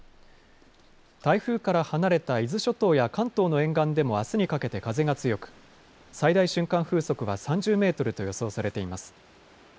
台風から離れた伊豆諸島や関東の沿岸でもあすにかけて風が強く最大瞬間風速は３０メートルと予想されています。